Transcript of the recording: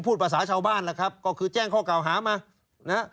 พูดภาษาชาวบ้านแหละครับก็คือแจ้งข้อเก่าหามานะฮะ